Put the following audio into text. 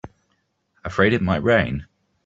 Afraid it might rain?